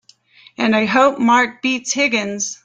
And I hope Mark beats Higgins!